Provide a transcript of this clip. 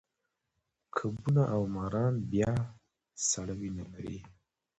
کبونه او ماران بیا سړه وینه لري